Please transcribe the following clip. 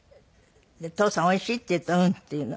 「父さんおいしい？」って言うと「うん」って言うの。